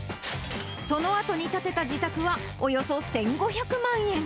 そのあとに建てた自宅はおよそ１５００万円。